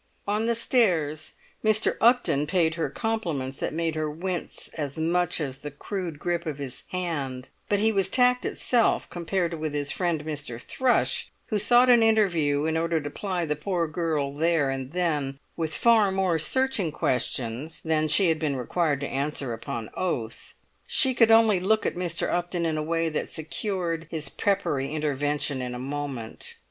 On the stairs Mr. Upton paid her compliments that made her wince as much as the crude grip of his hand; but he was tact itself compared with his friend Mr. Thrush, who sought an interview in order to ply the poor girl there and then with far more searching questions than she had been required to answer upon oath. She could only look at Mr. Upton in a way that secured his peppery intervention in a moment.